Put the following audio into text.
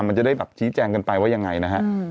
มันจะได้แบบชี้แจงกันไปว่ายังไงนะฮะ